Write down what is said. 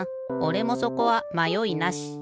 おれもそこはまよいなし。